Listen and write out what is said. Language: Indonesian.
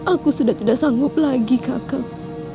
aku sudah tidak sanggup lagi kakek